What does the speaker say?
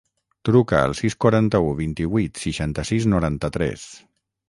Truca al sis, quaranta-u, vint-i-vuit, seixanta-sis, noranta-tres.